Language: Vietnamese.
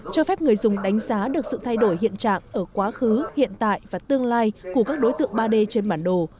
cho phép người dùng đánh giá được sự thay đổi hiện trạng ở quá khứ hiện tại và tương lai của các đối tượng ba d trên bản đồ